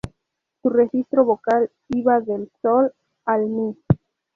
Su registro vocal iba del "sol" al "mi".